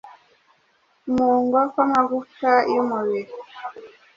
Kumungwa kw’amagufa y'umubiri